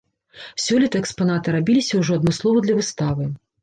Сёлета экспанаты рабіліся ўжо адмыслова для выставы.